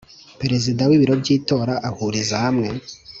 Perezida w ibiro by itora ahuriza hamwe